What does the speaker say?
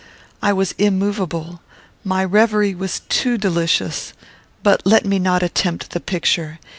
I was immovable. My reverie was too delicious; but let me not attempt the picture.